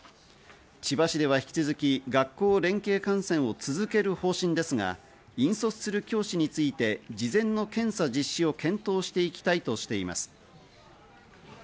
千葉市では引き続き学校連携観戦を続ける方針ですが、引率する教師について事前の検査実施を検討していきたいとしています。